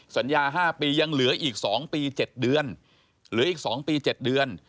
สัญญา๕ปียังเหลืออีก๒ปี๗เดือนเหลืออีก๒ปี๗เดือน